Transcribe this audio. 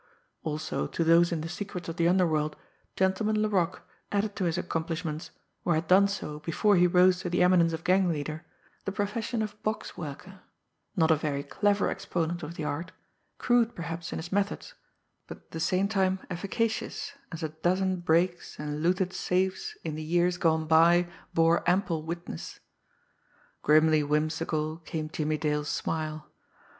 Also, to those in the secrets of the underworld, Gentleman Laroque added to his accomplishments, or had done so before he rose to the eminence of gang leader, the profession of "box worker" not a very clever exponent of the art, crude perhaps in his methods, but at the same time efficacious, as a dozen breaks and looted safes in the years gone by bore ample witness. Grimly whimsical came Jimmie Dale's smile.